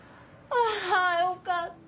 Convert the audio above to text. ああよかった。